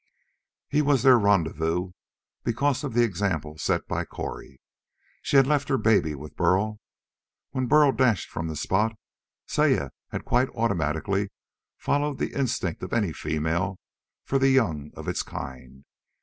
He was their rendezvous because of the example set by Cori. She had left her baby with Burl. When Burl dashed from the spot, Saya had quite automatically followed the instinct of any female for the young of its kind.